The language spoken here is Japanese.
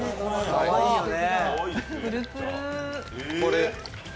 かわいいですね。